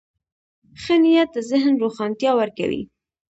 ښه نیت د ذهن روښانتیا ورکوي.